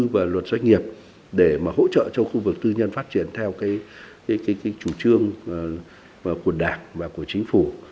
và trong khu vực tư nhân phát triển theo chủ trương của đảng và của chính phủ